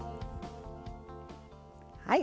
はい。